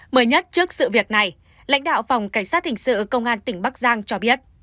mới nhất trước sự việc này lãnh đạo phòng cảnh sát hình sự công an tỉnh bắc giang cho biết